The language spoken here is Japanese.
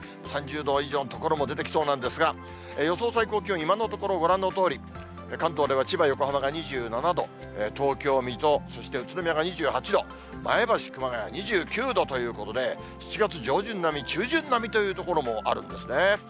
３０度以上の所も出てきそうなんですが、予想最高気温、今のところ、ご覧のとおり、関東では千葉、横浜が２７度、東京、水戸、そして宇都宮が２８度、前橋、熊谷が２９度ということで、７月上旬並み、中旬並みという所もあるんですね。